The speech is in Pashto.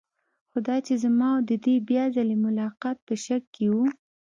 خو دا چې زما او د دې بیا ځلې ملاقات په شک کې و.